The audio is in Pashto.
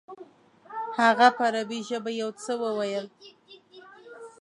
هغه په عربي ژبه یو څه وویل.